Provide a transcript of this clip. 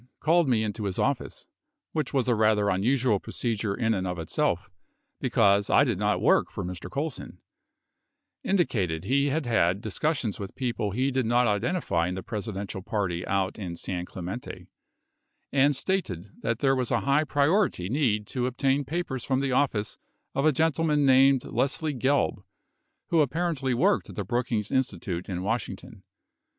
. called me into his office, which was a rather unusual procedure in and of itself, because I did not work for Mr. Colson ; indicated he had had discussions with people he did not identify in the Presidential party out in San Clemente, and stated that there was a high priority need to obtain papers from the office of a gentleman named Leslie Gelb, who ap parently worked at the Brookings Institute in Washington.